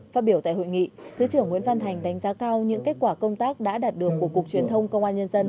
phát biểu tại hội nghị thứ trưởng nguyễn văn thành đánh giá cao những kết quả công tác đã đạt được của cục truyền thông công an nhân dân